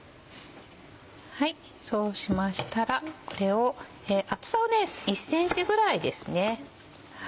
そうしましたらこれを厚さを１ｃｍぐらいですね。